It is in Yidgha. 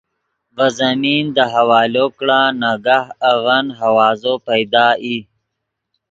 ڤے زمین دے حوالو کڑا ناگاہ اڤن ہوازو پیدا ای